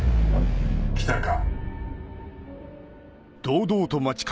来たか。